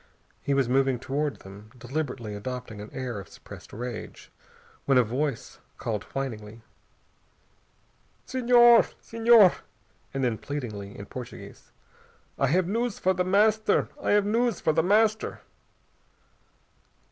He was moving toward them, deliberately adopting an air of suppressed rage, when a voice called whiningly. "Senhor! Senhor!" And then pleadingly, in Portuguese, "I have news for The Master! I have news for The Master!"